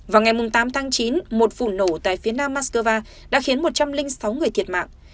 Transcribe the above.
vào ngày tám tháng chín một vụ nổ tại phía nam moscow đã khiến một trăm linh sáu người thiệt mạng